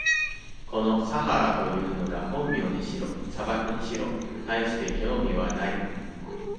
このサハラというのが本名にしろ、砂漠にしろ、たいして興味はない。